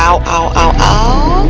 aduh aduh aduh